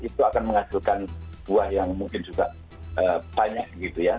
itu akan menghasilkan buah yang mungkin juga banyak gitu ya